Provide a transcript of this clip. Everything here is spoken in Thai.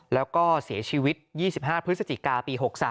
แล้วก็เสียชีวิต๒๕พฤศจิกาปี๖๓